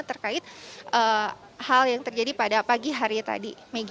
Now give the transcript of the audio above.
terkait hal yang terjadi pada pagi hari tadi megi